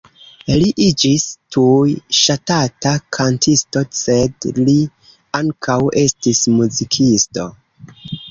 Li iĝis tuj ŝatata kantisto, sed li ankaŭ estis muzikisto.